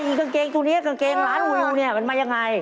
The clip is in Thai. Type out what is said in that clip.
อย่างกางเกงจูเนียร์กางเกงร้านหัวยูนี่มันมายังไง